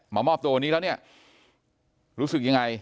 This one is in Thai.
มามอบโตนี้แล้วเนี่ยรู้สึกยังไง